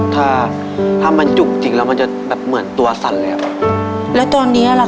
ทับผลไม้เยอะเห็นยายบ่นบอกว่าเป็นยังไงครับ